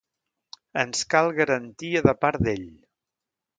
Ens cal garantia de part d'ell.